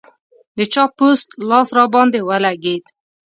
د چا پوست لاس راباندې ولګېد.